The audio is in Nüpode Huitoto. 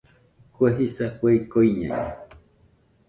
Kue jisa, Kue ɨko iñaiño